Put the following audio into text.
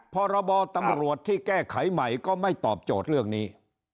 พรบตำรวจที่แก้ไขใหม่ก็ไม่ตอบโจทย์เรื่องนี้